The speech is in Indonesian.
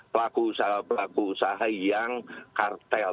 pelaku usaha pelaku usaha yang kartel